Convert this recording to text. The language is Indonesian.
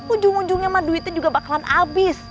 ujung ujungnya mah duitnya juga bakalan habis